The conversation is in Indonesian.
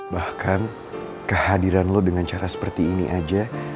bahkan kehadiran lo dengan cara seperti ini aja